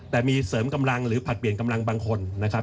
แต่มีเสริมกำลังหรือผลัดเปลี่ยนกำลังบางคนนะครับ